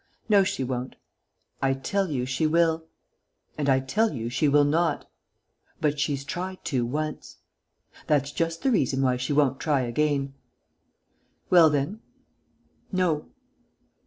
"No, she won't." "I tell you she will." "And I tell you she will not." "But she's tried to, once." "That's just the reason why she won't try again." "Well, then...." "No."